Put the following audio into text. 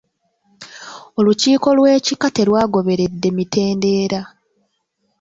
Olukiiko lw'ekika terwagoberedde mitendera.